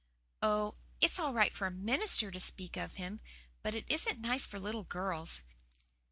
"Oh, it's all right for a MINISTER to speak of him. But it isn't nice for little girls.